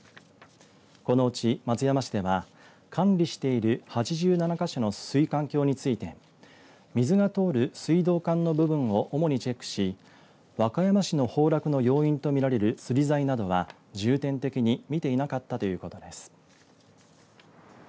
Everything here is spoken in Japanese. このうち、松山市では管理している８７か所の水管橋について水が通る水道管の部分を主にチェックし和歌山市の崩落の要因とみられるつり材などは重点的に見ていなかったということです。